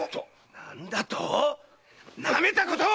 なんだと⁉なめたことを！